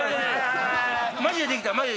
マジでできた。